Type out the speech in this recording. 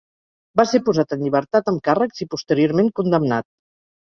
Va ser posat en llibertat amb càrrecs, i posteriorment condemnat.